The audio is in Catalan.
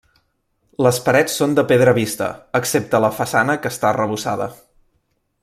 Les parets són de pedra vista, excepte la façana que està arrebossada.